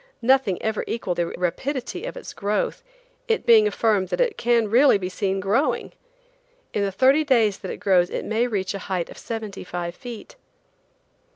Nothing ever equaled the rapidity of its growth, it being affirmed that it can really be seen growing! In the thirty days that it grows it may reach a height of seventy five feet.